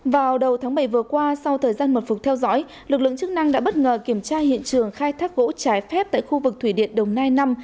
vào đầu tháng bảy vừa qua sau thời gian mật phục theo dõi lực lượng chức năng đã bất ngờ kiểm tra hiện trường khai thác gỗ trái phép tại khu vực thủy điện đồng nai năm